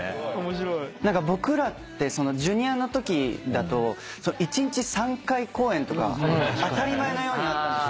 僕らってＪｒ．のときだと一日３回公演とか当たり前のようにあったんです。